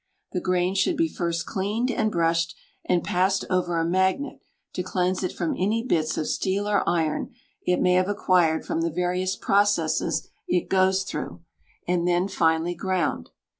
The grain should be first cleaned and brushed, and passed over a magnet to cleanse it from any bits of steel or iron it may have acquired from the various processes it goes through, and then finely ground.